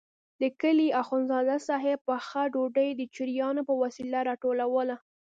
د کلي اخندزاده صاحب پخه ډوډۍ د چړیانو په وسیله راټولوله.